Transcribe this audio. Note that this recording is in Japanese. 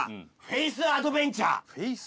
「フェースアドベンチャー」？